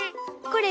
これ。